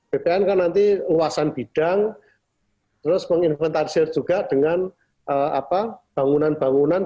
bpn kan nanti luasan bidang terus menginventarisir juga dengan bangunan bangunan